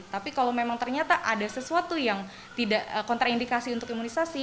tapi kalau memang ternyata ada sesuatu yang tidak kontraindikasi untuk imunisasi